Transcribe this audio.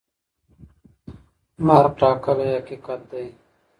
مرګ ټاکلی حقیقت دی.